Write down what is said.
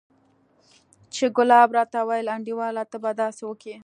چې ګلاب راته وويل انډيواله ته به داسې وکې.